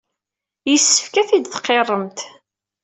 Yessefk ad t-id-tqirremt.